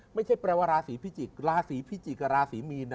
ไม่ใช่แปลว่าราศีพิจิกษ์ราศีพิจิกกับราศีมีน